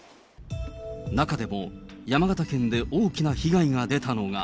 中でも山形県で大きな被害が出たのが。